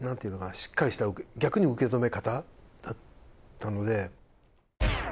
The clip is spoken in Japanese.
しっかりした逆に受け止め方だったので。